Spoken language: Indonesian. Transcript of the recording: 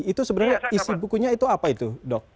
itu sebenarnya isi bukunya itu apa itu dok